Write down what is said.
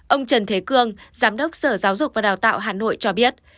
ông trần thế cương giám đốc sở giáo dục và đào tạo hà nội cho biết